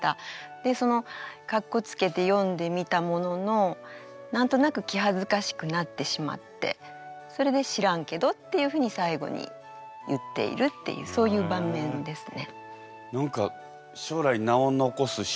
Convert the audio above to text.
でかっこつけて詠んでみたものの何となく気恥ずかしくなってしまってそれで「知らんけど」っていうふうに最後に言っているっていうそういう場面ですね。